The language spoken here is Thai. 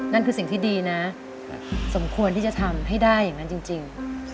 นั่นคือสิ่งที่ดีนะสมควรที่จะทำให้ได้อย่างนั้นจริง